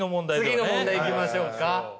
次の問題いきましょうか。